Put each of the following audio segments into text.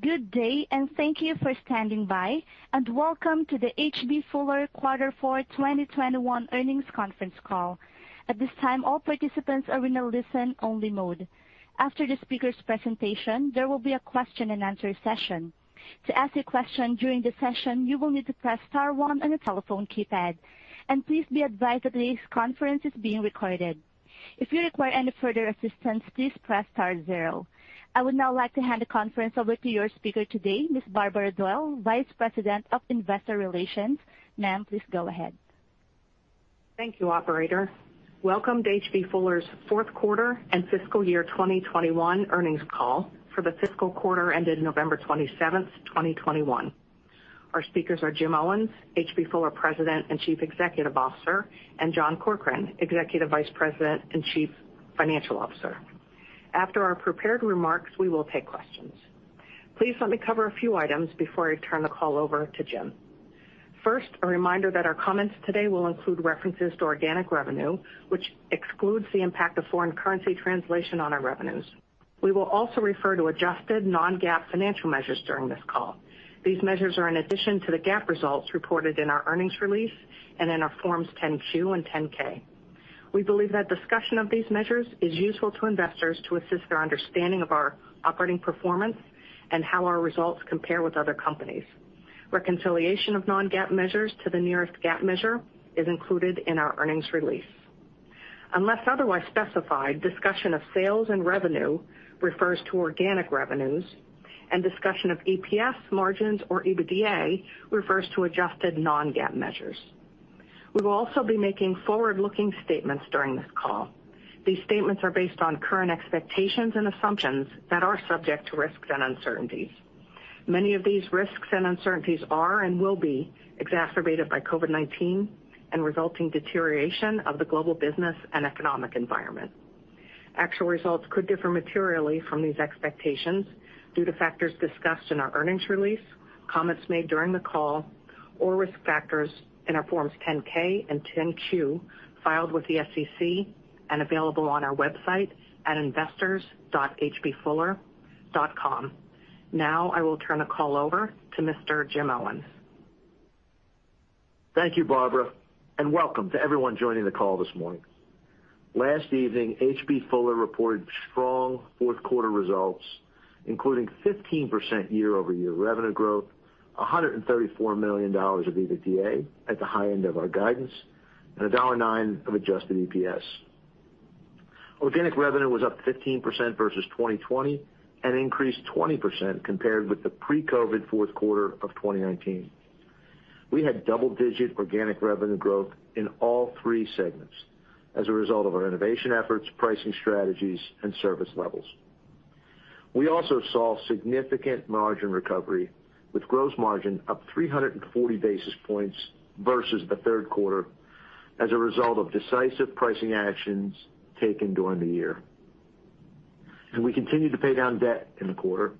Good day, and thank you for standing by, and welcome to the H.B. Fuller fourth quarter 2021 earnings conference call. At this time, all participants are in a listen-only mode. After the speaker's presentation, there will be a question-and-answer session. To ask a question during the session, you will need to press star one on your telephone keypad. Please be advised that today's conference is being recorded. If you require any further assistance, please press star zero. I would now like to hand the conference over to your speaker today, Ms. Barbara Doyle, Vice President of Investor Relations. Ma'am, please go ahead. Thank you, operator. Welcome to H.B. Fuller's fourth quarter and fiscal year 2021 earnings call for the fiscal quarter ended November 27, 2021. Our speakers are Jim Owens, H.B. Fuller President and Chief Executive Officer, and John Corkrean, Executive Vice President and Chief Financial Officer. After our prepared remarks, we will take questions. Please let me cover a few items before I turn the call over to Jim. First, a reminder that our comments today will include references to organic revenue, which excludes the impact of foreign currency translation on our revenues. We will also refer to adjusted non-GAAP financial measures during this call. These measures are in addition to the GAAP results reported in our earnings release and in our forms 10-Q and 10-K. We believe that discussion of these measures is useful to investors to assist their understanding of our operating performance and how our results compare with other companies. Reconciliation of non-GAAP measures to the nearest GAAP measure is included in our earnings release. Unless otherwise specified, discussion of sales and revenue refers to organic revenues, and discussion of EPS margins or EBITDA refers to adjusted non-GAAP measures. We will also be making forward-looking statements during this call. These statements are based on current expectations and assumptions that are subject to risks and uncertainties. Many of these risks and uncertainties are and will be exacerbated by COVID-19 and resulting deterioration of the global business and economic environment. Actual results could differ materially from these expectations due to factors discussed in our earnings release, comments made during the call, or risk factors in our Forms 10-K and 10-Q filed with the SEC and available on our website at investors.hbfuller.com. Now I will turn the call over to Mr. Jim Owens. Thank you, Barbara, and welcome to everyone joining the call this morning. Last evening, H.B. Fuller reported strong fourth quarter results, including 15% year-over-year revenue growth, $134 million of EBITDA at the high end of our guidance, and $9 of adjusted EPS. Organic revenue was up 15% versus 2020 and increased 20% compared with the pre-COVID fourth quarter of 2019. We had double-digit organic revenue growth in all three segments as a result of our innovation efforts, pricing strategies, and service levels. We also saw significant margin recovery, with gross margin up 340 basis points versus the third quarter as a result of decisive pricing actions taken during the year. We continued to pay down debt in the quarter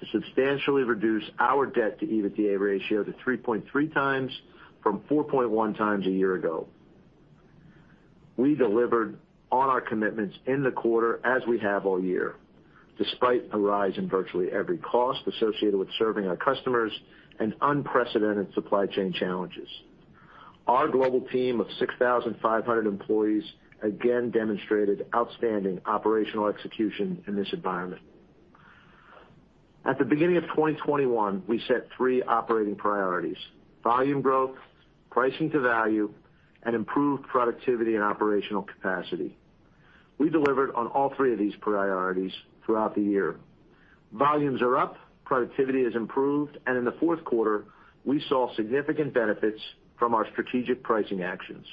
to substantially reduce our debt to EBITDA ratio to 3.3 times from 4.1 times a year ago. We delivered on our commitments in the quarter as we have all year, despite a rise in virtually every cost associated with serving our customers and unprecedented supply chain challenges. Our global team of 6,500 employees again demonstrated outstanding operational execution in this environment. At the beginning of 2021, we set three operating priorities: volume growth, pricing to value, and improved productivity and operational capacity. We delivered on all three of these priorities throughout the year. Volumes are up, productivity has improved, and in the fourth quarter, we saw significant benefits from our strategic pricing actions.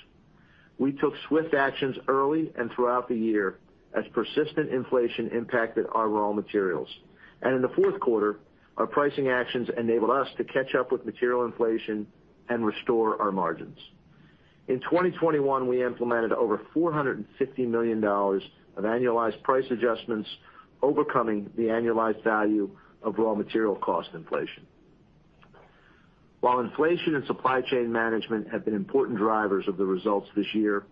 We took swift actions early and throughout the year as persistent inflation impacted our raw materials. In the fourth quarter, our pricing actions enabled us to catch up with material inflation and restore our margins. In 2021, we implemented over $450 million of annualized price adjustments, overcoming the annualized value of raw material cost inflation. While inflation and supply chain management have been important drivers of the results this year,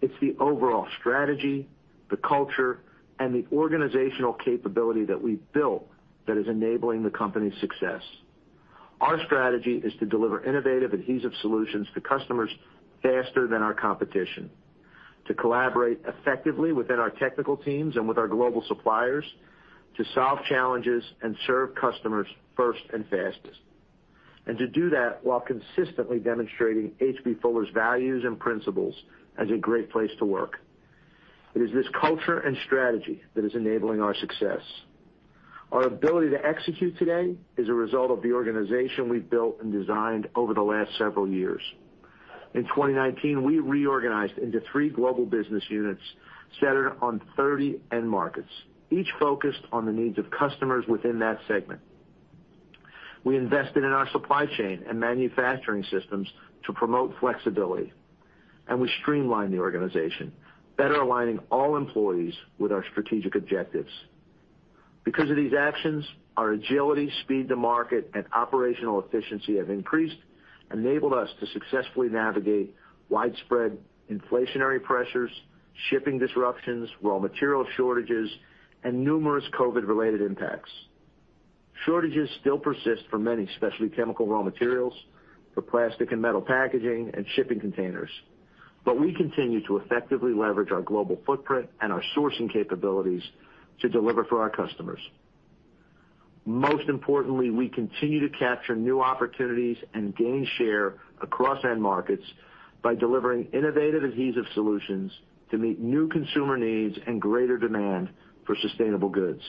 it's the overall strategy, the culture, and the organizational capability that we've built that is enabling the company's success. Our strategy is to deliver innovative adhesive solutions to customers faster than our competition, to collaborate effectively within our technical teams and with our global suppliers to solve challenges and serve customers first and fastest, and to do that while consistently demonstrating H.B. Fuller's values and principles as a great place to work. It is this culture and strategy that is enabling our success. Our ability to execute today is a result of the organization we've built and designed over the last several years. In 2019, we reorganized into three global business units centered on 30 end markets, each focused on the needs of customers within that segment. We invested in our supply chain and manufacturing systems to promote flexibility, and we streamlined the organization, better aligning all employees with our strategic objectives. Because of these actions, our agility, speed to market, and operational efficiency have increased, enabled us to successfully navigate widespread inflationary pressures, shipping disruptions, raw material shortages, and numerous COVID-related impacts. Shortages still persist for many specialty chemical raw materials for plastic and metal packaging and shipping containers. We continue to effectively leverage our global footprint and our sourcing capabilities to deliver for our customers. Most importantly, we continue to capture new opportunities and gain share across end markets by delivering innovative adhesive solutions to meet new consumer needs and greater demand for sustainable goods.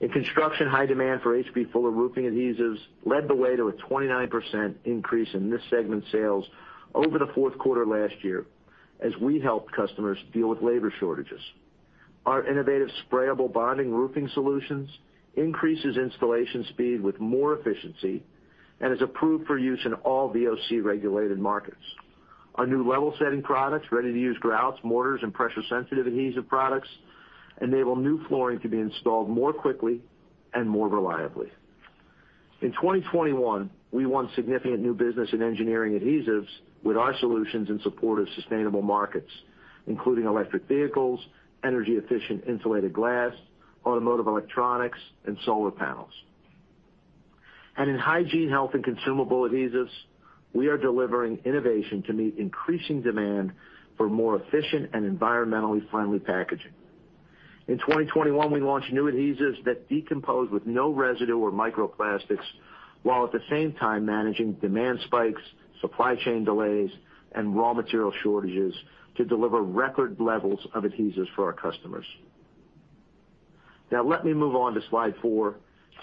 In construction, high demand for H.B. Fuller roofing adhesives led the way to a 29% increase in this segment's sales over the fourth quarter last year, as we helped customers deal with labor shortages. Our innovative sprayable bonding roofing solutions increases installation speed with more efficiency and is approved for use in all VOC regulated markets. Our new level setting products, ready-to-use grouts, mortars, and pressure sensitive adhesive products enable new flooring to be installed more quickly and more reliably. In 2021, we won significant new business in Engineering Adhesives with our solutions in support of sustainable markets, including electric vehicles, energy efficient insulated glass, automotive electronics, and solar panels. In hygiene, health, and consumable adhesives, we are delivering innovation to meet increasing demand for more efficient and environmentally friendly packaging. In 2021, we launched new adhesives that decompose with no residue or microplastics, while at the same time managing demand spikes, supply chain delays, and raw material shortages to deliver record levels of adhesives for our customers. Now, let me move on to slide four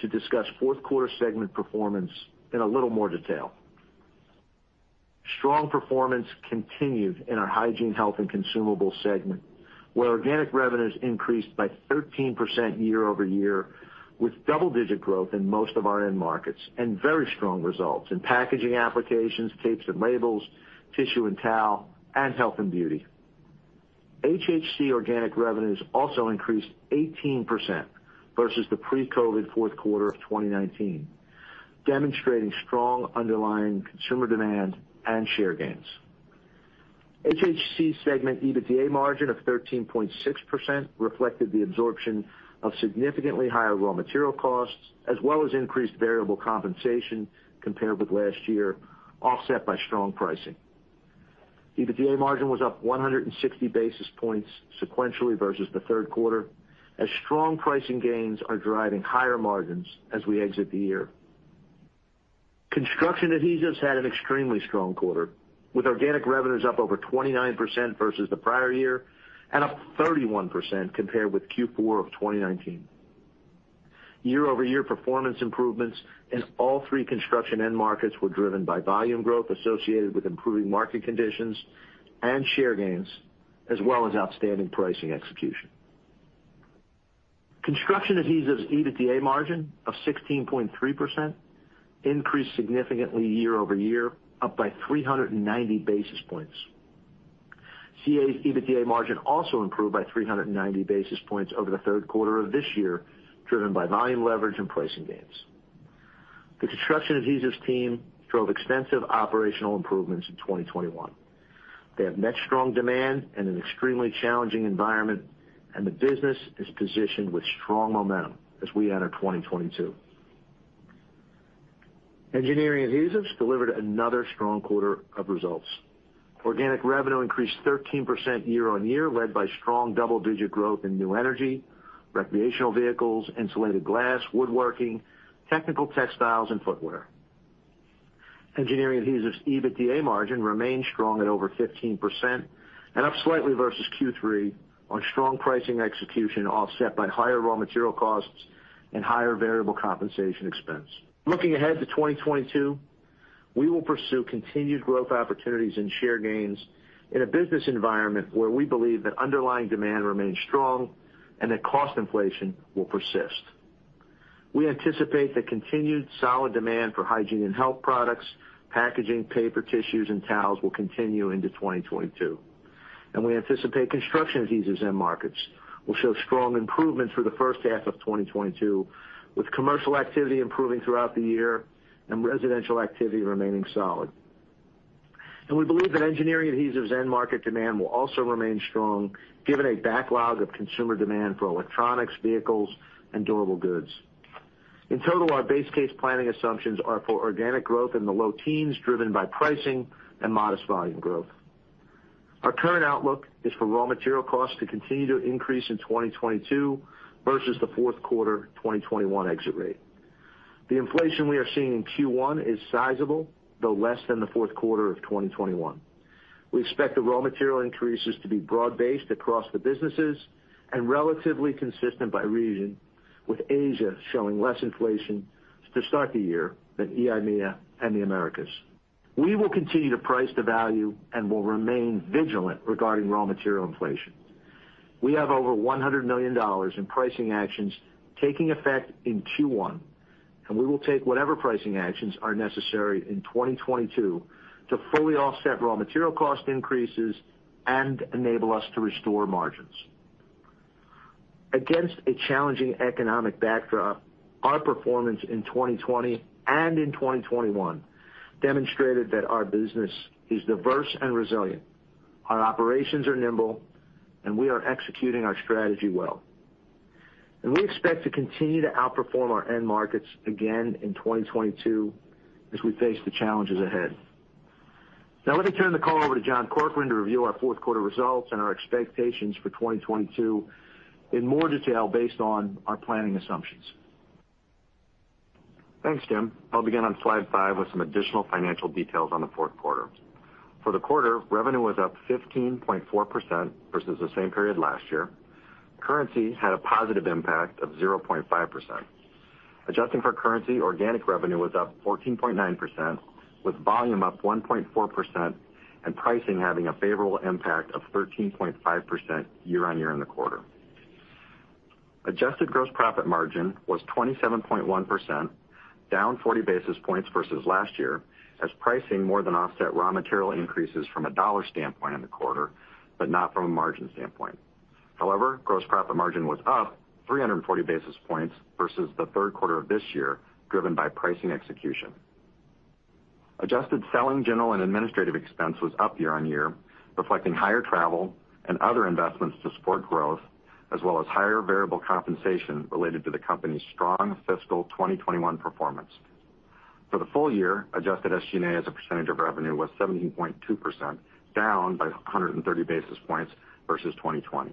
to discuss fourth quarter segment performance in a little more detail. Strong performance continued in our Hygiene, Health and Consumable segment, where organic revenues increased by 13% year-over-year, with double-digit growth in most of our end markets and very strong results in packaging applications, tapes and labels, tissue and towel, and health and beauty. HHC organic revenues also increased 18% versus the pre-COVID fourth quarter of 2019, demonstrating strong underlying consumer demand and share gains. HHC segment EBITDA margin of 13.6% reflected the absorption of significantly higher raw material costs as well as increased variable compensation compared with last year, offset by strong pricing. EBITDA margin was up 160 basis points sequentially versus the third quarter, as strong pricing gains are driving higher margins as we exit the year. Construction Adhesives had an extremely strong quarter, with organic revenues up over 29% versus the prior year and up 31% compared with Q4 of 2019. Year-over-year performance improvements in all three construction end markets were driven by volume growth associated with improving market conditions and share gains, as well as outstanding pricing execution. Construction Adhesives EBITDA margin of 16.3% increased significantly year-over-year, up by 390 basis points. CA's EBITDA margin also improved by 390 basis points over the third quarter of this year, driven by volume leverage and pricing gains. The Construction Adhesives team drove extensive operational improvements in 2021. They have met strong demand in an extremely challenging environment, and the business is positioned with strong momentum as we enter 2022. Engineering Adhesives delivered another strong quarter of results. Organic revenue increased 13% year-on-year, led by strong double-digit growth in new energy, recreational vehicles, insulated glass, woodworking, technical textiles, and footwear. Engineering Adhesives EBITDA margin remained strong at over 15% and up slightly versus Q3 on strong pricing execution, offset by higher raw material costs and higher variable compensation expense. Looking ahead to 2022, we will pursue continued growth opportunities and share gains in a business environment where we believe that underlying demand remains strong and that cost inflation will persist. We anticipate that continued solid demand for hygiene and health products, packaging, paper tissues, and towels will continue into 2022, and we anticipate Construction Adhesives end markets will show strong improvement through the first half of 2022, with commercial activity improving throughout the year and residential activity remaining solid. We believe that Engineering Adhesives end market demand will also remain strong given a backlog of consumer demand for electronics, vehicles, and durable goods. In total, our base case planning assumptions are for organic growth in the low teens, driven by pricing and modest volume growth. Our current outlook is for raw material costs to continue to increase in 2022 versus the fourth quarter 2021 exit rate. The inflation we are seeing in Q1 is sizable, though less than the fourth quarter of 2021. We expect the raw material increases to be broad based across the businesses and relatively consistent by region, with Asia showing less inflation to start the year than EIMEA and the Americas. We will continue to price to value and will remain vigilant regarding raw material inflation. We have over $100 million in pricing actions taking effect in Q1, and we will take whatever pricing actions are necessary in 2022 to fully offset raw material cost increases and enable us to restore margins. Against a challenging economic backdrop, our performance in 2020 and in 2021 demonstrated that our business is diverse and resilient. Our operations are nimble, and we are executing our strategy well. We expect to continue to outperform our end markets again in 2022 as we face the challenges ahead. Now let me turn the call over to John Corkrean to review our fourth quarter results and our expectations for 2022 in more detail based on our planning assumptions. Thanks, Jim. I'll begin on slide five with some additional financial details on the fourth quarter. For the quarter, revenue was up 15.4% versus the same period last year. Currency had a positive impact of 0.5%. Adjusting for currency, organic revenue was up 14.9%, with volume up 1.4% and pricing having a favorable impact of 13.5% year-over-year in the quarter. Adjusted gross profit margin was 27.1%, down 40 basis points versus last year, as pricing more than offset raw material increases from a dollar standpoint in the quarter, but not from a margin standpoint. However, gross profit margin was up 340 basis points versus the third quarter of this year, driven by pricing execution. Adjusted selling, general, and administrative expense was up year-on-year, reflecting higher travel and other investments to support growth, as well as higher variable compensation related to the company's strong fiscal 2021 performance. For the full- year, adjusted SG&A as a percentage of revenue was 17.2%, down by 130 basis points versus 2020.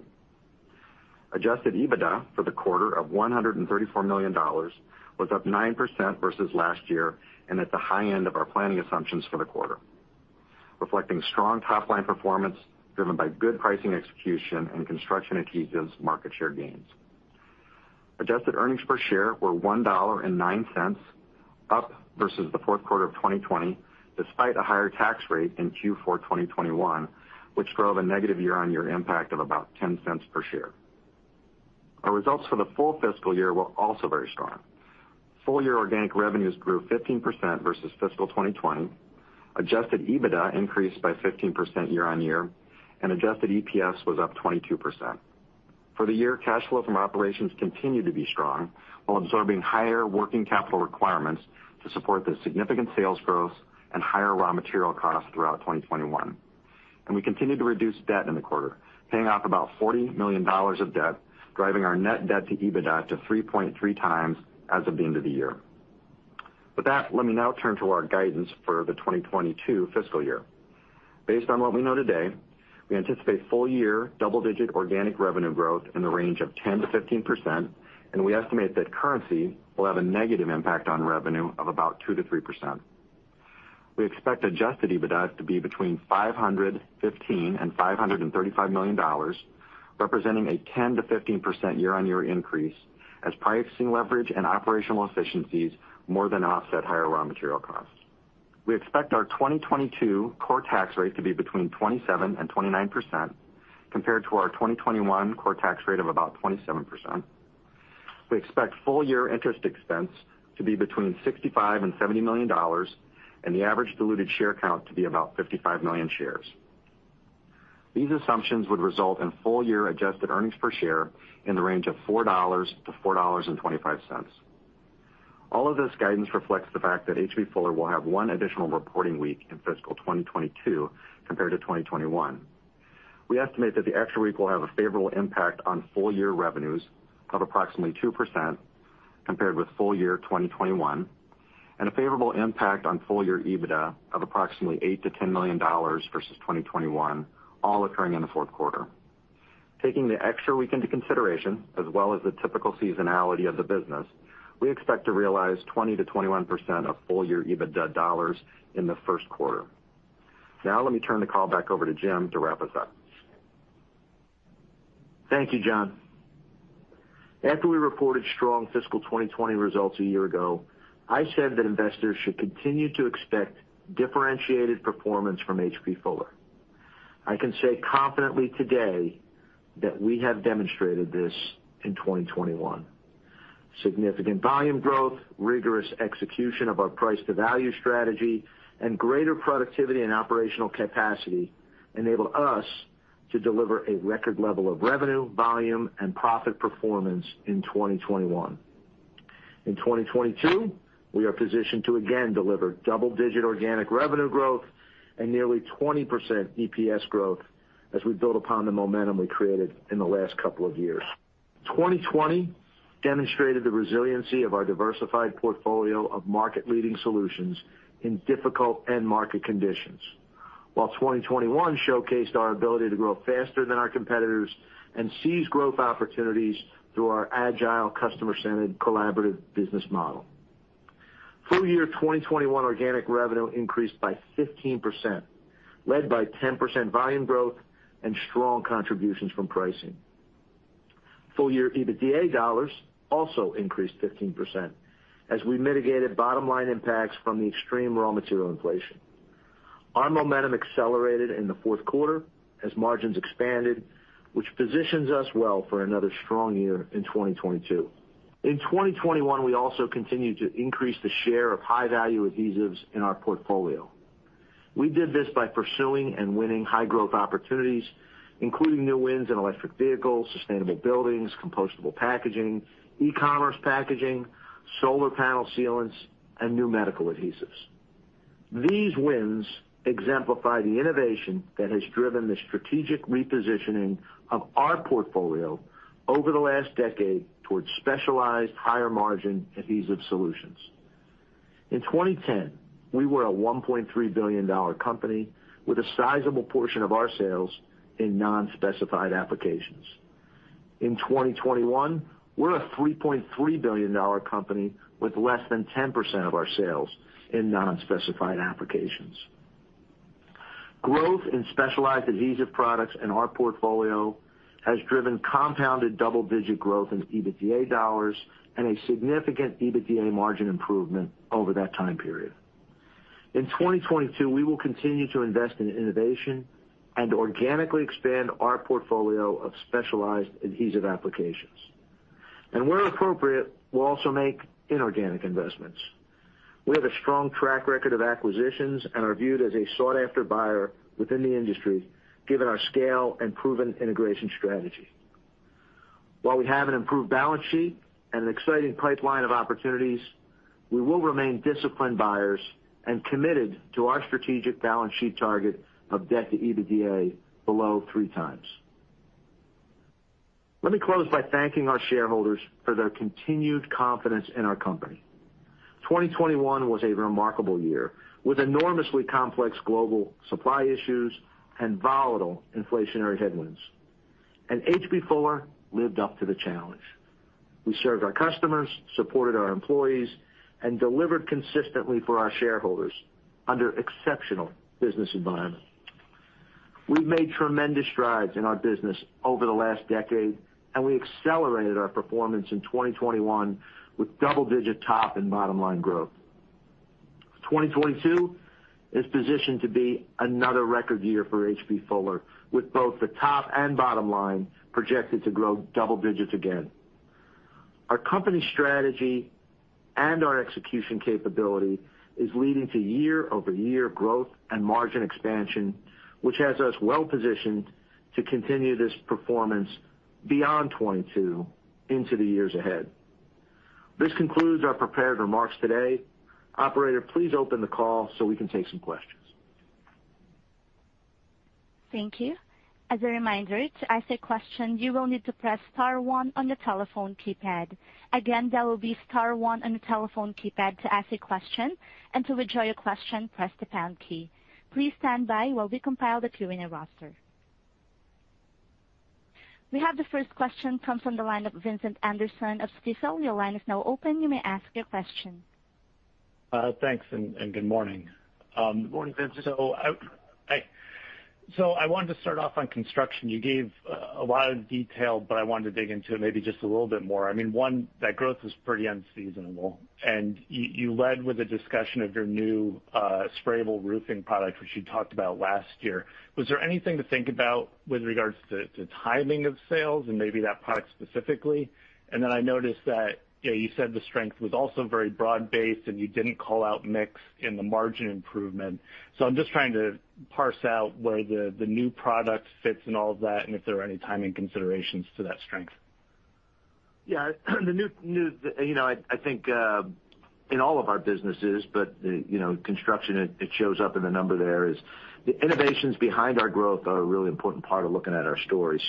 Adjusted EBITDA for the quarter of $134 million was up 9% versus last year and at the high end of our planning assumptions for the quarter, reflecting strong top-line performance driven by good pricing execution and Construction Adhesives market share gains. Adjusted earnings per share were $1.09, up versus the fourth quarter of 2020 despite a higher tax rate in Q4 2021, which drove a negative year-on-year impact of about $0.10 per share. Our results for the full fiscal year were also very strong. Full- year organic revenues grew 15% versus fiscal 2020. Adjusted EBITDA increased by 15% year on year, and adjusted EPS was up 22%. For the year, cash flow from operations continued to be strong while absorbing higher working capital requirements to support the significant sales growth and higher raw material costs throughout 2021. We continued to reduce debt in the quarter, paying off about $40 million of debt, driving our net debt to EBITDA to 3.3 times as of the end of the year. With that, let me now turn to our guidance for the 2022 fiscal year. Based on what we know today, we anticipate full- year double-digit organic revenue growth in the range of 10%-15%, and we estimate that currency will have a negative impact on revenue of about 2%-3%. We expect adjusted EBITDA to be between $515 million and $535 million, representing a 10%-15% year-on-year increase as pricing leverage and operational efficiencies more than offset higher raw material costs. We expect our 2022 core tax rate to be between 27%-29% compared to our 2021 core tax rate of about 27%. We expect full -year interest expense to be between $65 million and $70 million and the average diluted share count to be about 55 million shares. These assumptions would result in full-year adjusted earnings per share in the range of $4-$4.25. All of this guidance reflects the fact that H.B. Fuller will have 1 additional reporting week in fiscal 2022 compared to 2021. We estimate that the extra week will have a favorable impact on full-year revenues of approximately 2% compared with full-year 2021, and a favorable impact on full-year EBITDA of approximately $8 million-$10 million versus 2021, all occurring in the fourth quarter. Taking the extra week into consideration, as well as the typical seasonality of the business, we expect to realize 20%-21% of full-year EBITDA dollars in the first quarter. Now let me turn the call back over to Jim to wrap us up. Thank you, John. After we reported strong fiscal 2020 results a year ago, I said that investors should continue to expect differentiated performance from H.B. Fuller. I can say confidently today that we have demonstrated this in 2021. Significant volume growth, rigorous execution of our price to value strategy, and greater productivity and operational capacity enable us to deliver a record level of revenue, volume, and profit performance in 2021. In 2022, we are positioned to again deliver double-digit organic revenue growth and nearly 20% EPS growth as we build upon the momentum we created in the last couple of years. 2020 demonstrated the resiliency of our diversified portfolio of market leading solutions in difficult end market conditions, while 2021 showcased our ability to grow faster than our competitors and seize growth opportunities through our agile, customer-centered, collaborative business model. Full- year 2021 organic revenue increased by 15%, led by 10% volume growth and strong contributions from pricing. Full -year EBITDA dollars also increased 15% as we mitigated bottom line impacts from the extreme raw material inflation. Our momentum accelerated in the fourth quarter as margins expanded, which positions us well for another strong year in 2022. In 2021, we also continued to increase the share of high-value adhesives in our portfolio. We did this by pursuing and winning high growth opportunities, including new wins in electric vehicles, sustainable buildings, compostable packaging, e-commerce packaging, solar panel sealants, and new medical adhesives. These wins exemplify the innovation that has driven the strategic repositioning of our portfolio over the last decade towards specialized higher margin adhesive solutions. In 2010, we were a $1.3 billion company with a sizable portion of our sales in non-specified applications. In 2021, we're a $3.3 billion company with less than 10% of our sales in non-specified applications. Growth in specialized adhesive products in our portfolio has driven compounded double-digit growth in EBITDA dollars and a significant EBITDA margin improvement over that time period. In 2022, we will continue to invest in innovation and organically expand our portfolio of specialized adhesive applications. Where appropriate, we'll also make inorganic investments. We have a strong track record of acquisitions and are viewed as a sought-after buyer within the industry, given our scale and proven integration strategy. While we have an improved balance sheet and an exciting pipeline of opportunities, we will remain disciplined buyers and committed to our strategic balance sheet target of debt to EBITDA below three times. Let me close by thanking our shareholders for their continued confidence in our company. 2021 was a remarkable year, with enormously complex global supply issues and volatile inflationary headwinds. H.B. Fuller lived up to the challenge. We served our customers, supported our employees, and delivered consistently for our shareholders under exceptional business environment. We've made tremendous strides in our business over the last decade, and we accelerated our performance in 2021 with double digit top and bottom line growth. 2022 is positioned to be another record year for H.B. Fuller, with both the top and bottom line projected to grow double digits again. Our company strategy and our execution capability is leading to year-over-year growth and margin expansion, which has us well positioned to continue this performance beyond 2022 into the years ahead. This concludes our prepared remarks today. Operator, please open the call so we can take some questions. Thank you. As a reminder, to ask a question, you will need to press star one on your telephone keypad. Again, that will be star one on your telephone keypad to ask a question. To withdraw your question, press the pound key. Please stand by while we compile the queuing roster. We have the first question from the line of Vincent Anderson of Stifel. Your line is now open. You may ask your question. Thanks and good morning. Good morning, Vincent. I wanted to start off on construction. You gave a lot of detail, but I wanted to dig into it maybe just a little bit more. I mean, one, that growth was pretty unseasonable, and you led with a discussion of your new sprayable roofing product, which you talked about last year. Was there anything to think about with regards to timing of sales and maybe that product specifically? And then I noticed that, you know, you said the strength was also very broad-based, and you didn't call out mix in the margin improvement. I'm just trying to parse out where the new product fits in all of that and if there are any timing considerations to that strength. Yeah. The new you know I think in all of our businesses, but you know construction it shows up in the numbers. The innovations behind our growth are a really important part of looking at our story.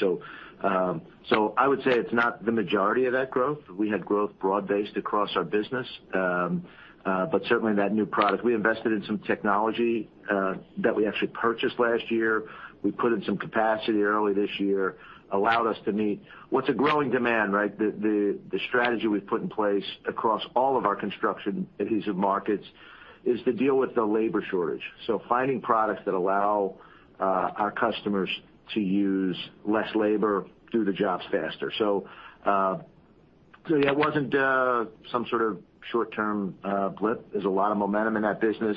I would say it's not the majority of that growth. We had broad-based growth across our business but certainly that new product. We invested in some technology that we actually purchased last year. We put in some capacity early this year allowed us to meet what's a growing demand, right? The strategy we've put in place across all of our Construction Adhesives markets is to deal with the labor shortage. Finding products that allow our customers to use less labor, do the jobs faster. Yeah it wasn't some sort of short-term blip. There's a lot of momentum in that business.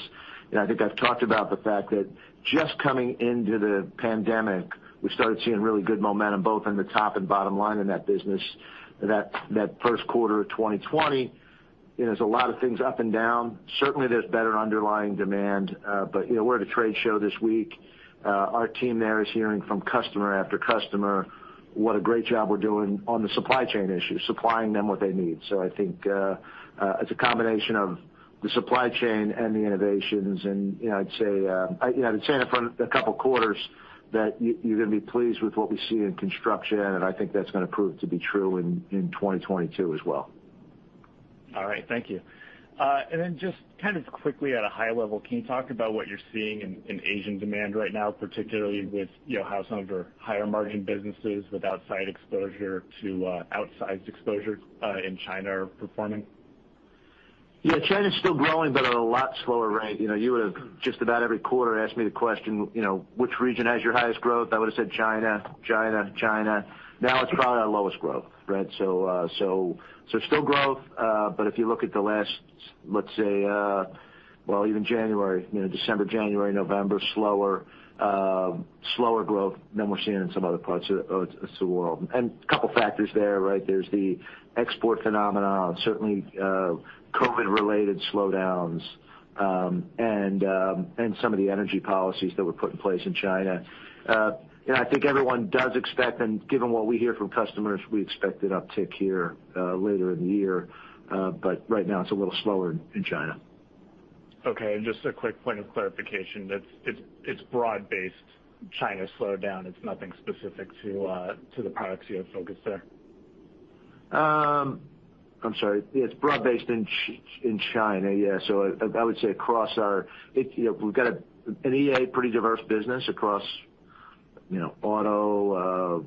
I think I've talked about the fact that just coming into the pandemic, we started seeing really good momentum both in the top and bottom line in that business. That first quarter of 2020, you know, there's a lot of things up and down. Certainly, there's better underlying demand, but, you know, we're at a trade show this week. Our team there is hearing from customer after customer what a great job we're doing on the supply chain issue, supplying them what they need. I think, it's a combination of the supply chain and the innovations. You know, I'd say, you know, I've been saying it for a couple quarters that you're gonna be pleased with what we see in construction, and I think that's gonna prove to be true in 2022 as well. All right. Thank you. Just kind of quickly at a high level, can you talk about what you're seeing in Asian demand right now, particularly with, you know, how some of your higher margin businesses with outsized exposure in China are performing? Yeah. China's still growing, but at a lot slower rate. You know, you would have just about every quarter asked me the question, you know, "Which region has your highest growth?" I would have said, "China, China." Now it's probably our lowest growth, right? So still growth, but if you look at the last, let's say, well, even January, you know, December, January, November, slower growth than we're seeing in some other parts of the world. A couple factors there, right? There's the export phenomenon, certainly, COVID related slowdowns, and some of the energy policies that were put in place in China. I think everyone does expect and given what we hear from customers, we expect an uptick here, later in the year. But right now it's a little slower in China. Okay. Just a quick point of clarification that it's broad-based China slowdown. It's nothing specific to the products you have focused there. I'm sorry. It's broad-based in China. I would say across our, you know, we've got an EA pretty diverse business across, you know, auto,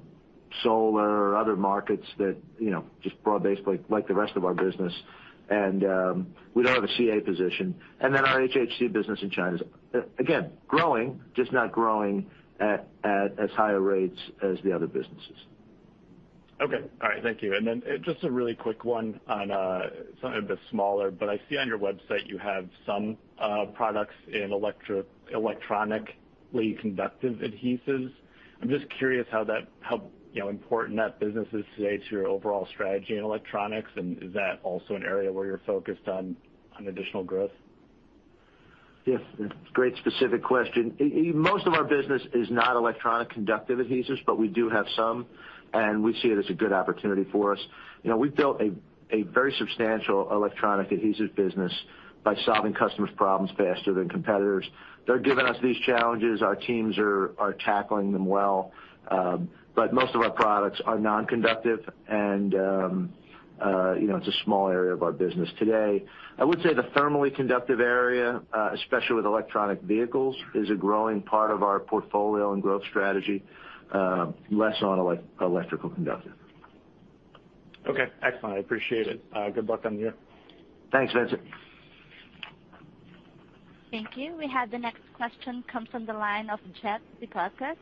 solar or other markets that, you know, just broad-based like the rest of our business. We don't have a CA position. Then our HHC business in China is, again, growing, just not growing at as high rates as the other businesses. Okay. All right. Thank you. Then just a really quick one on something a bit smaller, but I see on your website you have some products in electronically conductive adhesives. I'm just curious how, you know, important that business is today to your overall strategy in electronics. Is that also an area where you're focused on additional growth? Yes. Great specific question. Most of our business is not electronic conductive adhesives, but we do have some, and we see it as a good opportunity for us. You know, we've built a very substantial electronic adhesives business by solving customers problems faster than competitors. They're giving us these challenges. Our teams are tackling them well, but most of our products are non-conductive, and you know, it's a small area of our business today. I would say the thermally conductive area, especially with electric vehicles, is a growing part of our portfolio and growth strategy, less on electrical conductive. Okay, excellent. I appreciate it. Good luck on the year. Thanks, Vincent. Thank you. We have the next question comes from the line of Jeff Zekauskas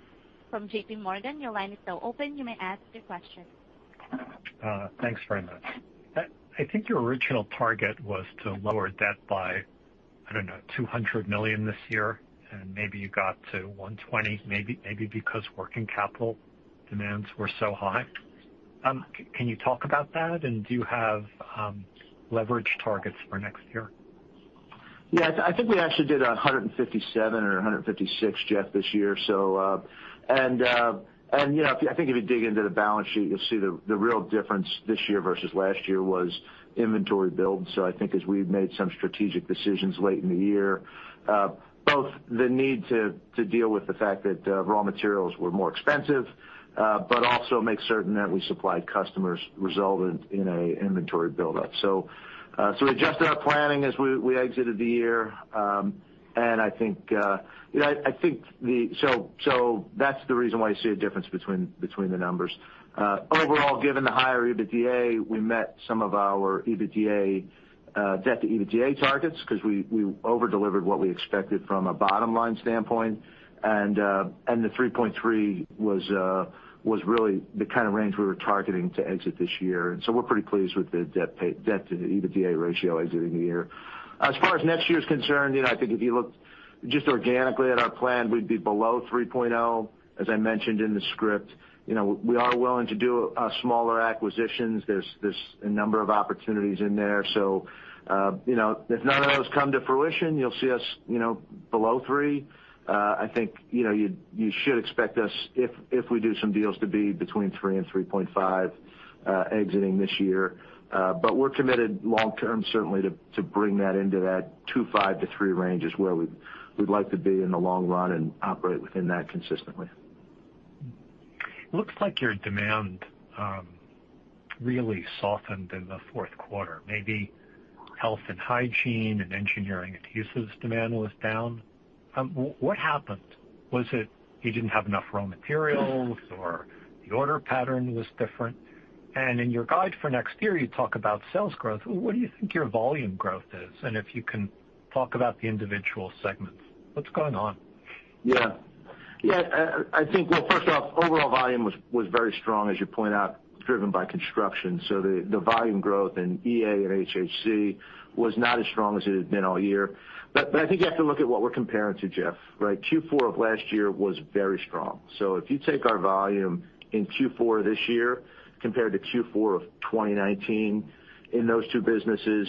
from JPMorgan. Your line is now open. You may ask your question. Thanks very much. I think your original target was to lower debt by $200 million this year, and maybe you got to $120 million, maybe because working capital demands were so high. Can you talk about that? Do you have leverage targets for next year? Yeah. I think we actually did 157 or 156, Jeff, this year. You know, I think if you dig into the balance sheet, you'll see the real difference this year versus last year was inventory build. I think as we've made some strategic decisions late in the year, both the need to deal with the fact that raw materials were more expensive, but also make certain that we supplied customers resulted in an inventory buildup. We adjusted our planning as we exited the year. You know, I think so that's the reason why you see a difference between the numbers. Overall, given the higher EBITDA, we met some of our EBITDA debt to EBITDA targets 'cause we over delivered what we expected from a bottom line standpoint. The 3.3 was really the kind of range we were targeting to exit this year. We're pretty pleased with the debt to EBITDA ratio exiting the year. As far as next year is concerned, you know, I think if you look just organically at our plan, we'd be below 3.0. As I mentioned in the script, you know, we are willing to do smaller acquisitions. There's a number of opportunities in there. You know, if none of those come to fruition, you'll see us, you know, below 3. I think, you know, you should expect us, if we do some deals to be between 3% and 3.5% exiting this year. We're committed long- term certainly to bring that into that 2.5%-3% range is where we'd like to be in the long run and operate within that consistently. Looks like your demand really softened in the fourth quarter, maybe health and hygiene and engineering adhesives demand was down. What happened? Was it you didn't have enough raw materials or the order pattern was different? In your guide for next year, you talk about sales growth. What do you think your volume growth is? If you can talk about the individual segments, what's going on? Yeah. I think, well, first off, overall volume was very strong, as you point out, driven by construction. The volume growth in EA and HHC was not as strong as it had been all year. I think you have to look at what we're comparing to, Jeff. Right. Q4 of last year was very strong. If you take our volume in Q4 this year compared to Q4 of 2019 in those two businesses,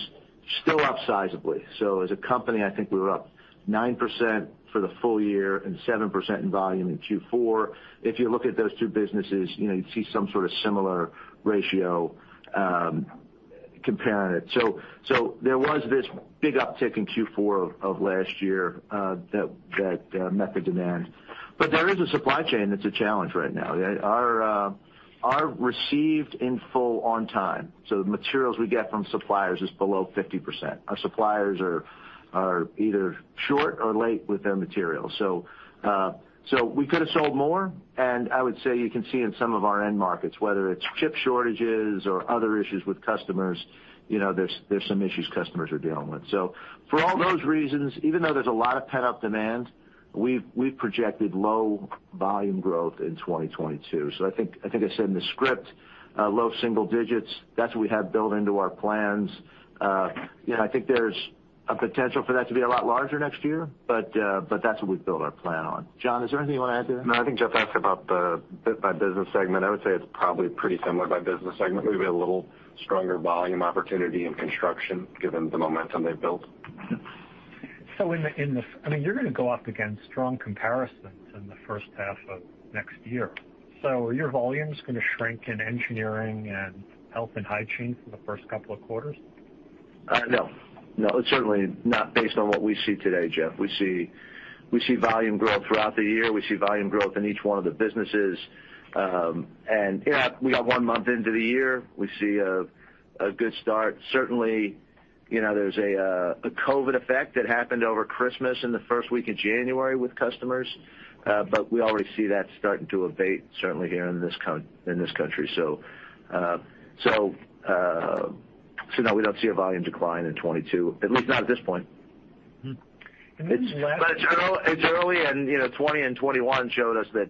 still up sizably. As a company, I think we were up 9% for the full- year and 7% in volume in Q4. If you look at those two businesses, you know, you'd see some sort of similar ratio comparing it. There was this big uptick in Q4 of last year that met the demand. There is a supply chain that's a challenge right now. Our On Time In Full for the materials we get from suppliers is below 50%. Our suppliers are either short or late with their materials. We could have sold more. I would say you can see in some of our end markets, whether it's chip shortages or other issues with customers, you know, there's some issues customers are dealing with. For all those reasons, even though there's a lot of pent-up demand, we've projected low volume growth in 2022. I think I said in the script, low single digits. That's what we have built into our plans. You know, I think there's a potential for that to be a lot larger next year, but that's what we've built our plan on. John, is there anything you wanna add to that? No, I think Jeff asked about by business segment. I would say it's probably pretty similar by business segment, maybe a little stronger volume opportunity in construction given the momentum they've built. I mean, you're gonna go up against strong comparisons in the first half of next year. Are your volumes gonna shrink in engineering and health and hygiene for the first couple of quarters? No. No, certainly not based on what we see today, Jeff. We see volume growth throughout the year. We see volume growth in each one of the businesses. Yeah, we are one month into the year. We see a good start. Certainly, you know, there's a COVID effect that happened over Christmas in the first week of January with customers, but we already see that starting to abate certainly here in this country. No, we don't see a volume decline in 2022, at least not at this point. Mm-hmm. Just lastly. It's early and, you know, 2020 and 2021 showed us that,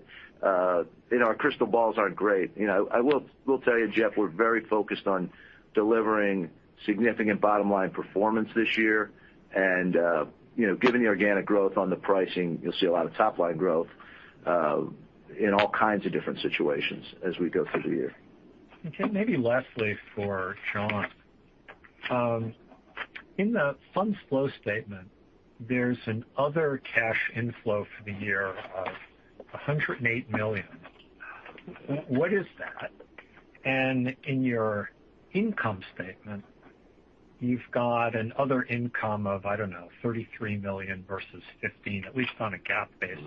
you know, our crystal balls aren't great. You know, I will tell you, Jeff, we're very focused on delivering significant bottom line performance this year. Given the organic growth on the pricing, you'll see a lot of top line growth in all kinds of different situations as we go through the year. Okay, maybe lastly for John. In the funds flow statement, there's another cash inflow for the year of $108 million. What is that? In your income statement, you've got another income of, I don't know, $33 million versus $15 million, at least on a GAAP basis-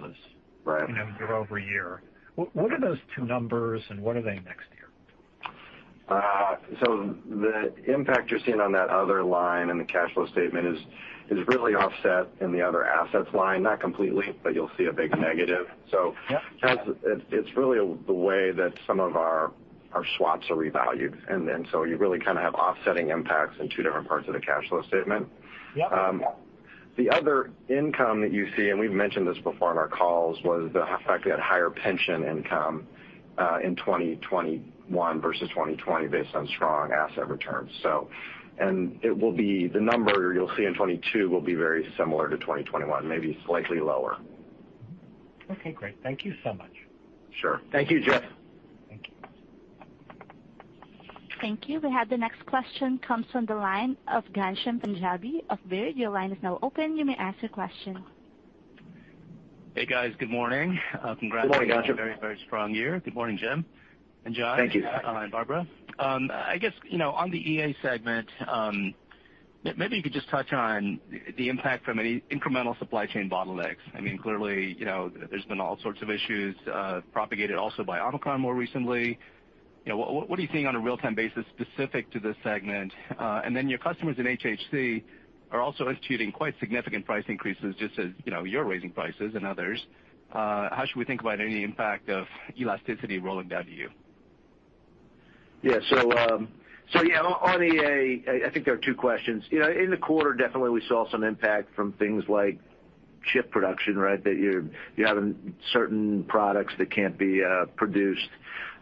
Mm-hmm. Right. You know, year over year. What are those two numbers, and what are they next year? The impact you're seeing on that other line in the cash flow statement is really offset in the other assets line. Not completely, but you'll see a big negative. Yep. It's really the way that some of our swaps are revalued. You really kind of have offsetting impacts in two different parts of the cash flow statement. Yep. The other income that you see, and we've mentioned this before on our calls, was the fact we had higher pension income in 2021 versus 2020 based on strong asset returns. It will be the number you'll see in 2022 will be very similar to 2021, maybe slightly lower. Okay, great. Thank you so much. Sure. Thank you, Jeff. Thank you. Thank you. We have the next question comes from the line of Ghansham Panjabi of Baird. Your line is now open. You may ask your question. Hey, guys. Good morning. Good morning, Ghansham. On a very, very strong year. Good morning, Jim and John. Thank you. Barbara. I guess, you know, on the EA segment, maybe you could just touch on the impact from any incremental supply chain bottlenecks. I mean, clearly, you know, there's been all sorts of issues, propagated also by Omicron more recently. You know, what are you seeing on a real-time basis specific to this segment? Your customers in HHC are also instituting quite significant price increases just as, you know, you're raising prices and others. How should we think about any impact of elasticity rolling down to you? Yeah. Yeah, on EA, I think there are two questions. You know, in the quarter, definitely we saw some impact from things like chip production, right? That you're having certain products that can't be produced,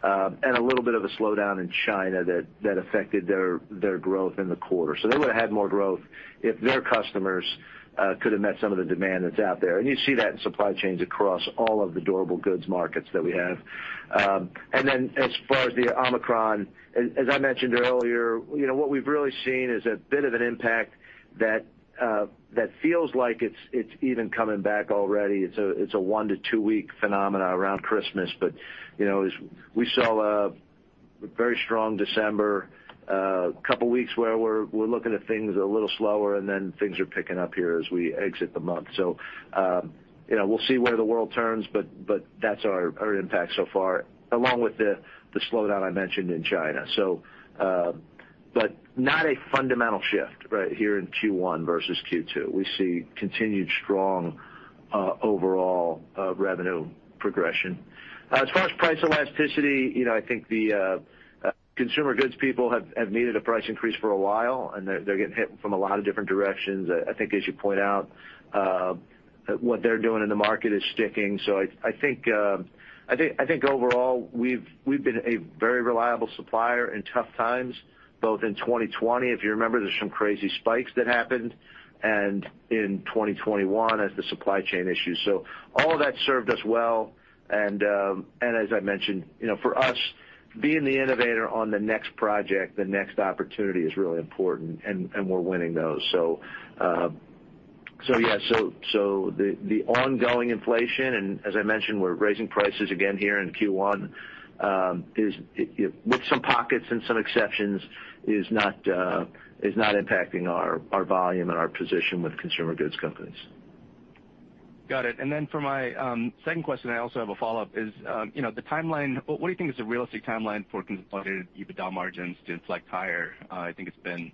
and a little bit of a slowdown in China that affected their growth in the quarter. They would've had more growth if their customers could have met some of the demand that's out there. You see that in supply chains across all of the durable goods markets that we have. As far as the Omicron, as I mentioned earlier, you know, what we've really seen is a bit of an impact that feels like it's even coming back already. It's a one to two week phenomena around Christmas. You know, as we saw a very strong December, a couple of weeks where we're looking at things a little slower, and then things are picking up here as we exit the month. You know, we'll see where the world turns, but that's our impact so far, along with the slowdown I mentioned in China. Not a fundamental shift, right, here in Q1 versus Q2. We see continued strong overall revenue progression. As far as price elasticity, you know, I think the consumer goods people have needed a price increase for a while, and they're getting hit from a lot of different directions. I think as you point out, what they're doing in the market is sticking. I think overall, we've been a very reliable supplier in tough times, both in 2020, if you remember, there's some crazy spikes that happened, and in 2021 as the supply chain issues. All that served us well. As I mentioned, you know, for us, being the innovator on the next project, the next opportunity is really important, and we're winning those. Yeah. The ongoing inflation, and as I mentioned, we're raising prices again here in Q1, with some pockets and some exceptions, is not impacting our volume and our position with consumer goods companies. Got it. For my second question, I also have a follow-up, you know, the timeline. What do you think is a realistic timeline for consolidated EBITDA margins to see higher? I think it's been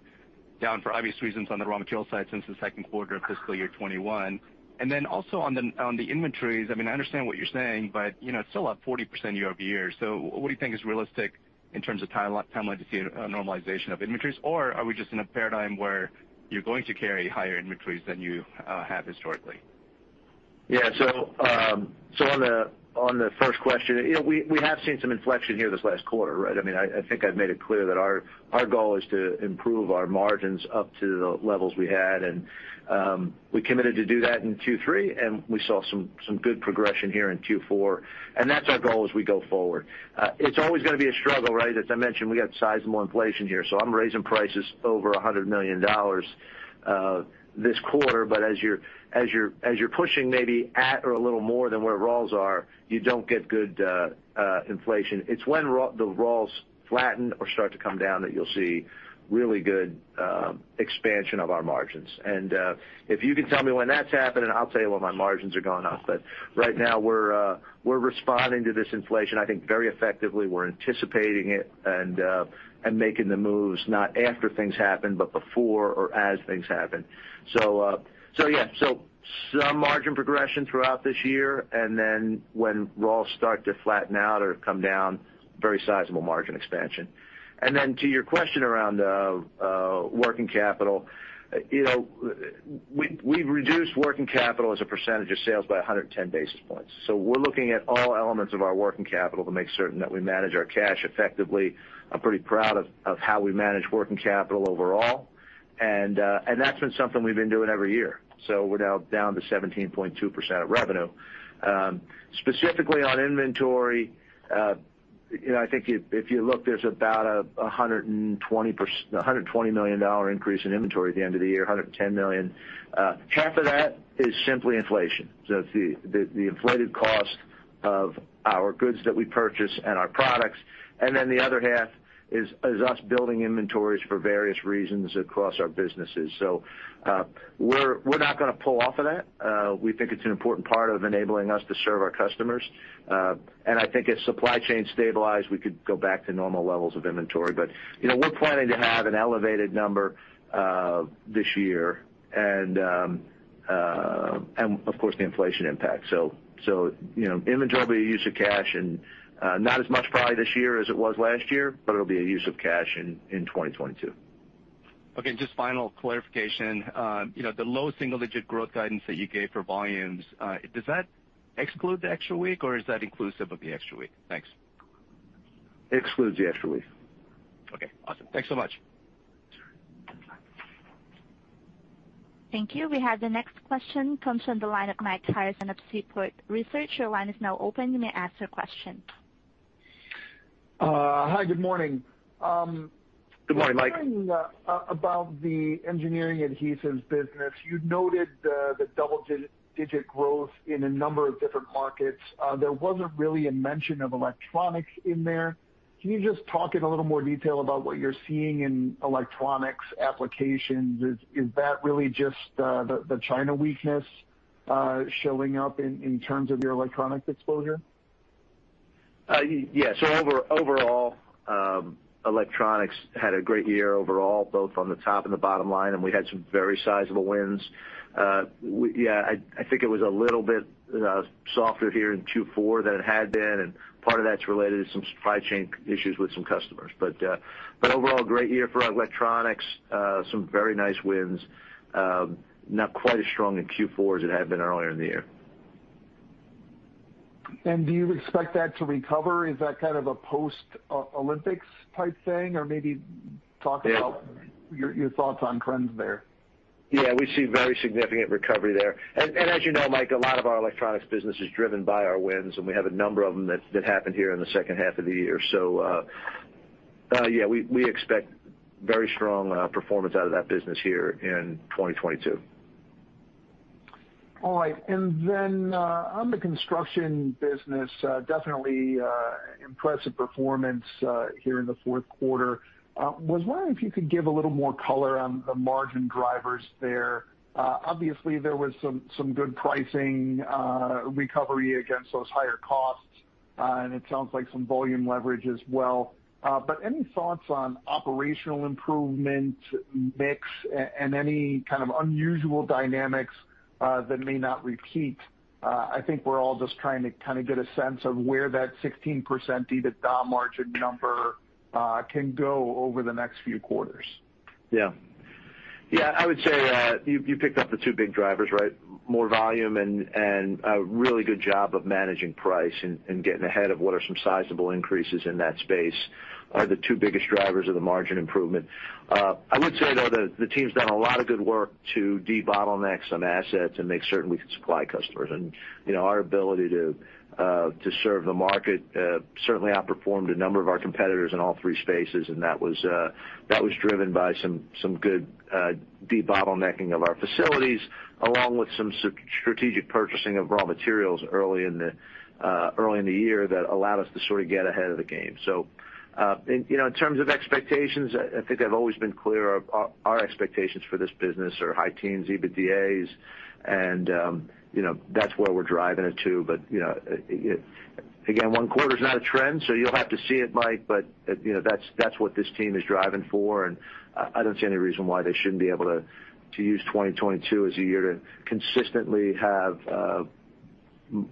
down for obvious reasons on the raw material side since the second quarter of fiscal year 2021. Then also on the inventories, I mean, I understand what you're saying, but, you know, it's still up 40% year-over-year. What do you think is realistic in terms of time, timeline to see a normalization of inventories? Or are we just in a paradigm where you're going to carry higher inventories than you have historically? On the first question, you know, we have seen some inflection here this last quarter, right? I mean, I think I've made it clear that our goal is to improve our margins up to the levels we had, and we committed to do that in Q3, and we saw some good progression here in Q4. That's our goal as we go forward. It's always gonna be a struggle, right? As I mentioned, we got sizable inflation here, so I'm raising prices over $100 million this quarter. As you're pushing maybe at or a little more than where raws are, you don't get good inflation. It's when the raws flatten or start to come down that you'll see really good expansion of our margins. If you can tell me when that's happening, I'll tell you when my margins are going up. Right now we're responding to this inflation, I think, very effectively. We're anticipating it and making the moves, not after things happen but before or as things happen. Yeah. Some margin progression throughout this year, and then when raws start to flatten out or come down, very sizable margin expansion. To your question around working capital, you know, we've reduced working capital as a percentage of sales by 110 basis points. We're looking at all elements of our working capital to make certain that we manage our cash effectively. I'm pretty proud of how we manage working capital overall. That's been something we've been doing every year. We're now down to 17.2% of revenue. Specifically on inventory, I think if you look, there's about a $120 million increase in inventory at the end of the year, $110 million. Half of that is simply inflation, so it's the inflated cost of our goods that we purchase and our products, and then the other half is us building inventories for various reasons across our businesses. We're not gonna pull off of that. We think it's an important part of enabling us to serve our customers. I think as supply chain stabilize, we could go back to normal levels of inventory. You know, we're planning to have an elevated number this year and of course, the inflation impact. You know, inventory will be a use of cash and not as much probably this year as it was last year, but it'll be a use of cash in 2022. Okay, and just final clarification. You know, the low single-digit growth guidance that you gave for volumes, does that exclude the extra week, or is that inclusive of the extra week? Thanks. Excludes the extra week. Okay, awesome. Thanks so much. Sure. Thank you. We have the next question comes from the line of Mike Harrison of Seaport Research. Your line is now open. You may ask your question. Hi, good morning. Good morning, Mike. Talking about the Engineering Adhesives business, you noted the double-digit growth in a number of different markets. There wasn't really a mention of electronics in there. Can you just talk in a little more detail about what you're seeing in electronics applications? Is that really just the China weakness showing up in terms of your electronics exposure? Yes. Overall, electronics had a great year overall, both on the top and the bottom line, and we had some very sizable wins. I think it was a little bit softer here in Q4 than it had been, and part of that's related to some supply chain issues with some customers. Overall, great year for our electronics. Some very nice wins. Not quite as strong in Q4 as it had been earlier in the year. Do you expect that to recover? Is that kind of a post Olympics type thing? Or maybe talk about- Yeah. Your thoughts on trends there. Yeah, we see very significant recovery there. As you know, Mike, a lot of our electronics business is driven by our wins, and we have a number of them that happened here in the second half of the year. We expect very strong performance out of that business here in 2022. All right. Then on the construction business, definitely impressive performance here in the fourth quarter. Was wondering if you could give a little more color on the margin drivers there. Obviously, there was some good pricing recovery against those higher costs, and it sounds like some volume leverage as well. Any thoughts on operational improvement mix and any kind of unusual dynamics that may not repeat? I think we're all just trying to kind of get a sense of where that 16% EBITDA margin number can go over the next few quarters. Yeah. Yeah, I would say, you picked up the two big drivers, right? More volume and a really good job of managing price and getting ahead of what are some sizable increases in that space are the two biggest drivers of the margin improvement. I would say, though, that the team's done a lot of good work to debottleneck some assets and make certain we can supply customers. You know, our ability to serve the market certainly outperformed a number of our competitors in all three spaces, and that was driven by some good debottlenecking of our facilities, along with some strategic purchasing of raw materials early in the year that allowed us to sort of get ahead of the game. You know, in terms of expectations, I think I've always been clear. Our expectations for this business are high teens EBITDA and you know, that's where we're driving it to. You know, again, one quarter's not a trend, so you'll have to see it, Mike, but you know, that's what this team is driving for, and I don't see any reason why they shouldn't be able to use 2022 as a year to consistently have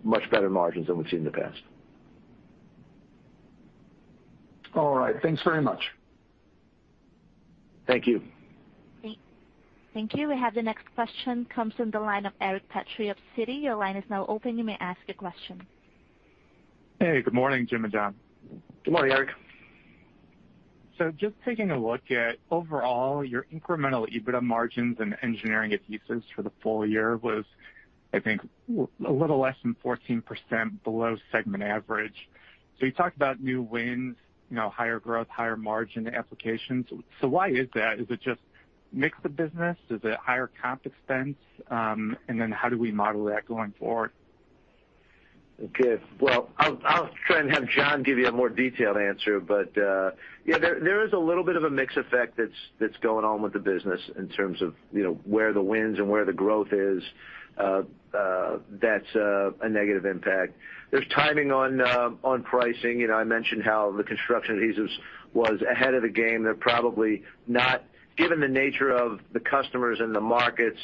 much better margins than we've seen in the past. All right. Thanks very much. Thank you. Thank you. We have the next question comes from the line of Eric Petrie of Citi. Your line is now open. You may ask your question. Hey, good morning, Jim and John. Good morning, Eric. Just taking a look at overall your incremental EBITDA margins and Engineering Adhesives for the full- year was, I think, a little less than 14% below segment average. You talked about new wins, you know, higher growth, higher margin applications. Why is that? Is it just mix of business? Is it higher comp expense? And then how do we model that going forward? Okay. Well, I'll try and have John Corkrean give you a more detailed answer, but yeah, there is a little bit of a mix effect that's going on with the business in terms of, you know, where the wins and where the growth is. That's a negative impact. There's timing on pricing. You know, I mentioned how the Construction Adhesives was ahead of the game. Given the nature of the customers and the markets,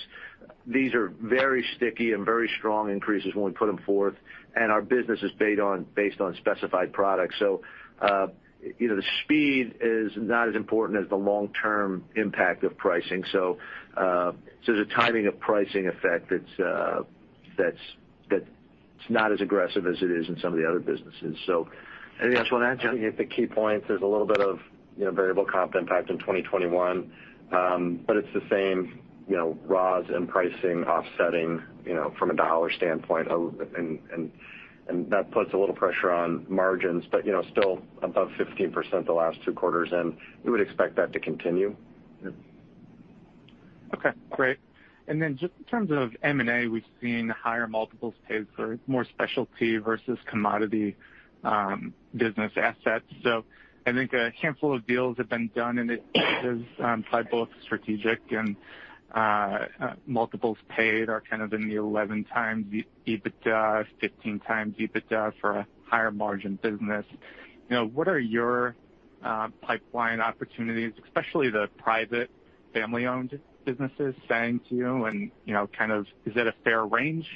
these are very sticky and very strong increases when we put them forth, and our business is based on specified products. You know, the speed is not as important as the long-term impact of pricing. There's a timing of pricing effect that's not as aggressive as it is in some of the other businesses. Anything else you want to add, John? I think you hit the key points. There's a little bit of, you know, variable comp impact in 2021. It's the same, you know, raws and pricing offsetting, you know, from a dollar standpoint. That puts a little pressure on margins, but, you know, still above 15% the last two quarters, and we would expect that to continue. Yeah. Okay, great. Just in terms of M&A, we've seen higher multiples paid for more specialty versus commodity business assets. I think a handful of deals have been done in this space by both strategic and multiples paid are kind of in the 11x EBITDA, 15x EBITDA for a higher margin business. You know, what are your pipeline opportunities, especially the private family-owned businesses saying to you? You know, kind of is that a fair range,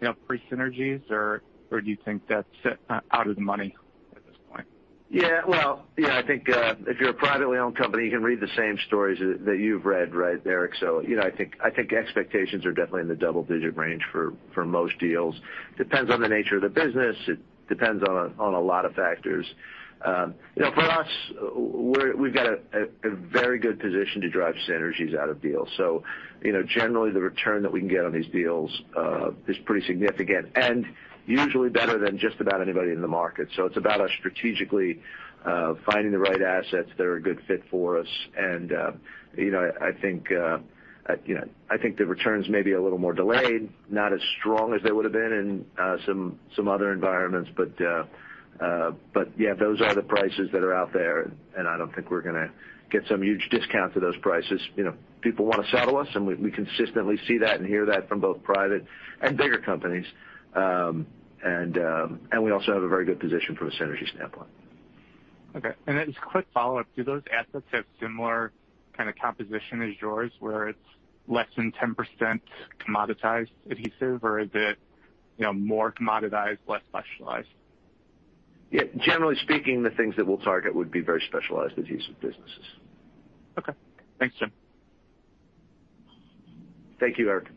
you know, pre-synergies, or do you think that's out of the money at this point? Yeah. Well, yeah, I think if you're a privately owned company, you can read the same stories that you've read, right, Eric? You know, I think expectations are definitely in the double digit range for most deals. Depends on the nature of the business. It depends on a lot of factors. You know, for us, we've got a very good position to drive synergies out of deals. You know, generally the return that we can get on these deals is pretty significant and usually better than just about anybody in the market. It's about us strategically finding the right assets that are a good fit for us. You know, I think the returns may be a little more delayed, not as strong as they would have been in some other environments. Yeah, those are the prices that are out there, and I don't think we're gonna get some huge discount to those prices. You know, people wanna sell to us, and we consistently see that and hear that from both private and bigger companies. We also have a very good position from a synergy standpoint. Okay. Just a quick follow-up. Do those assets have similar kind of composition as yours, where it's less than 10% commoditized adhesive, or is it, you know, more commoditized, less specialized? Yeah. Generally speaking, the things that we'll target would be very specialized adhesive businesses. Okay. Thanks, Jim. Thank you, Eric.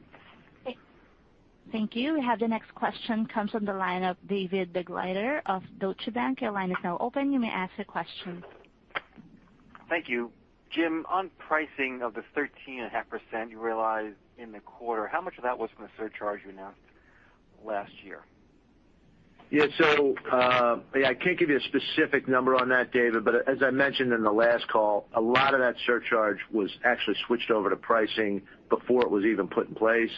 Thank you. We have the next question comes from the line of David Begleiter of Deutsche Bank. Your line is now open. You may ask your question. Thank you. Jim, on pricing of the 13.5% you realized in the quarter, how much of that was from the surcharge you announced last year? Yeah, I can't give you a specific number on that, David, but as I mentioned in the last call, a lot of that surcharge was actually switched over to pricing before it was even put in place.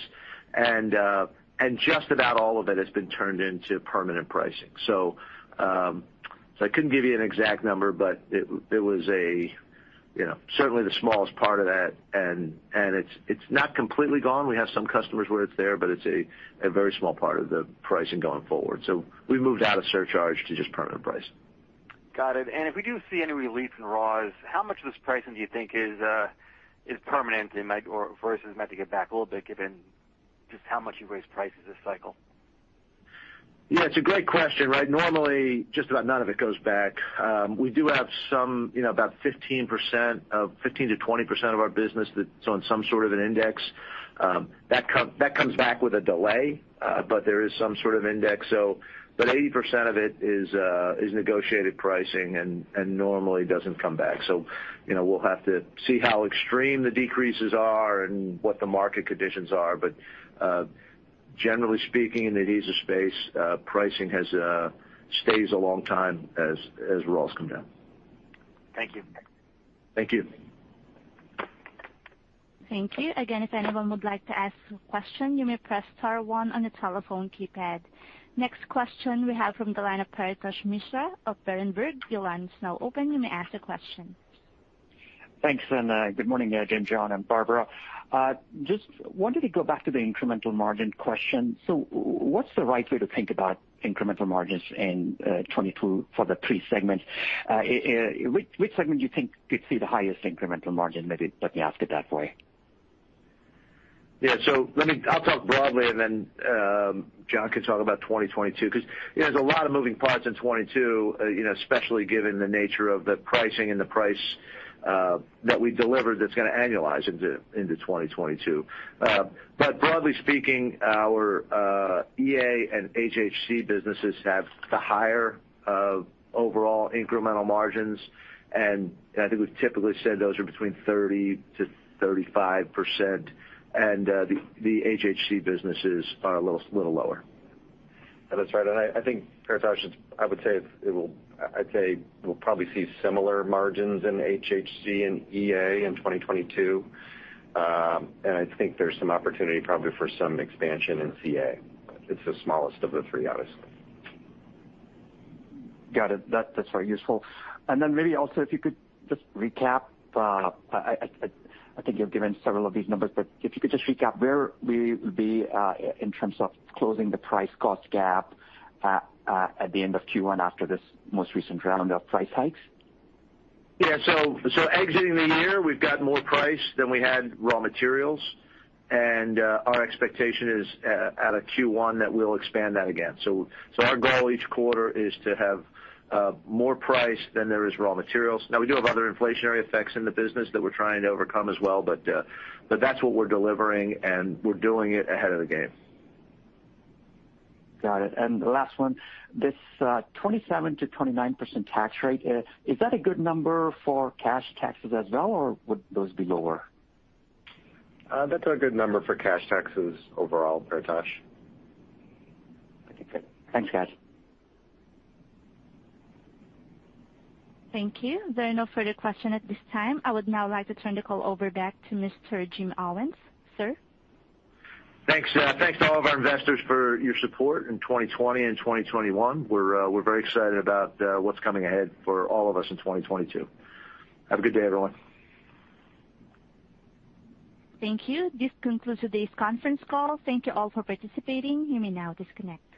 Just about all of it has been turned into permanent pricing. I couldn't give you an exact number, but it was, you know, certainly the smallest part of that, and it's not completely gone. We have some customers where it's there, but it's a very small part of the pricing going forward. We've moved out of surcharge to just permanent price. Got it. If we do see any relief in raws, how much of this pricing do you think is permanent, versus might get given back a little bit given just how much you've raised prices this cycle? Yeah, it's a great question, right? Normally, just about none of it goes back. We do have some, you know, about 15%-20% of our business that's on some sort of an index that comes back with a delay, but there is some sort of index. But 80% of it is negotiated pricing and normally doesn't come back. You know, we'll have to see how extreme the decreases are and what the market conditions are. Generally speaking, in the adhesive space, pricing stays a long time as raws come down. Thank you. Thank you. Thank you. Again, if anyone would like to ask a question, you may press star one on your telephone keypad. Next question we have from the line of Parikshit Mishra of Berenberg. Your line is now open. You may ask your question. Thanks, and good morning, Jim, John, and Barbara. Just wanted to go back to the incremental margin question. What's the right way to think about incremental margins in 2022 for the three segments? Which segment do you think could see the highest incremental margin? Maybe let me ask it that way. I'll talk broadly, and then John can talk about 2022, 'cause there's a lot of moving parts in 2022, especially given the nature of the pricing and the price that we delivered that's gonna annualize into 2022. But broadly speaking, our EA and HHC businesses have the higher overall incremental margins. I think we've typically said those are between 30%-35%, and the HHC businesses are a little lower. Yeah, that's right. I think, Parikshit, I'd say we'll probably see similar margins in HHC and EA in 2022. I think there's some opportunity probably for some expansion in CA. It's the smallest of the three, obviously. Got it. That's very useful. Maybe also if you could just recap, I think you've given several of these numbers, but if you could just recap where we will be in terms of closing the price cost gap at the end of Q1 after this most recent round of price hikes. Yeah. Exiting the year, we've got more price than we had raw materials, and our expectation is at a Q1 that we'll expand that again. Our goal each quarter is to have more price than there is raw materials. Now, we do have other inflationary effects in the business that we're trying to overcome as well, but that's what we're delivering, and we're doing it ahead of the game. Got it. The last one, this, 27%-29% tax rate, is that a good number for cash taxes as well, or would those be lower? That's a good number for cash taxes overall, Parikshit Mishra. Okay, great. Thanks, guys. Thank you. There are no further question at this time. I would now like to turn the call over back to Mr. Jim Owens, sir. Thanks. Thanks to all of our investors for your support in 2020 and 2021. We're very excited about what's coming ahead for all of us in 2022. Have a good day, everyone. Thank you. This concludes today's conference call. Thank you all for participating. You may now disconnect.